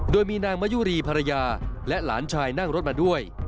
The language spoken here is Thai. โดยมีนางมะยุรีภรรยาและหลานชายนั่งรถมาด้วย